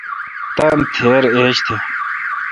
تان تھیر ایج تھ۔